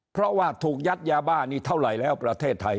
เพราะว่าถูกยัดยาบ้านี่เท่าไหร่แล้วประเทศไทย